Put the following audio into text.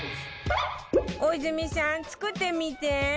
大泉さん作ってみて